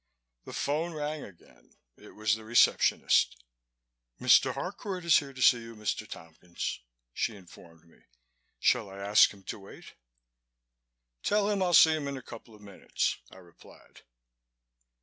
The phone rang again. It was the receptionist. "Mr. Harcourt is here to see you, Mr. Tompkins," she informed me. "Shall I ask him to wait?" "Tell him I'll see him in a couple of minutes," I replied.